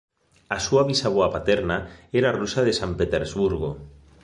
A súa bisavoa paterna era rusa de San Petersburgo.